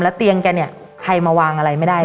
และเตียงแกนี่ใครมาวางอะไรไม่ได้เลย